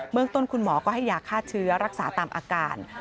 เมืองต้นคุณหมอก็ให้ยาฆ่าเชื้อรักษาตามอาการ